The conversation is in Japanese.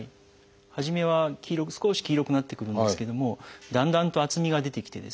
初めは少し黄色くなってくるんですけどもだんだんと厚みが出てきてですね